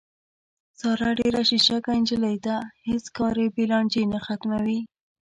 ساره ډېره شیشکه نجیلۍ ده، هېڅ کار بې له لانجې نه ختموي.